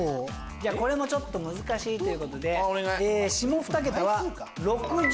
これもちょっと難しいということで。